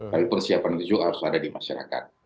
tapi persiapan itu juga harus ada di masyarakat